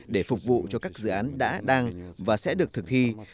để phục vụ cho các dự án đã đang và sẽ được thực thi